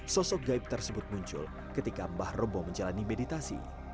sosok gaib tersebut muncul ketika mbah robo menjalani meditasi